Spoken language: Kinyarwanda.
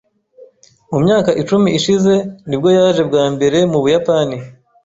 Mu myaka icumi ishize nibwo yaje bwa mbere mu Buyapani .